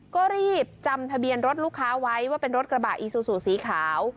ก็รีบจำทะเบียนรถลูกค้าไว้ว่าเป็นรถกระบะอีซูซูสีขาว